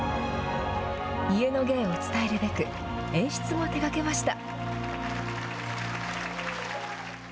家の芸を伝えるべく演出も手がけました。